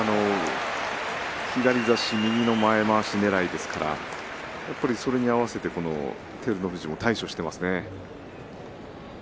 左差し右の前まわしねらいですからやっぱりそれに合わせて照ノ富士も対処していますね。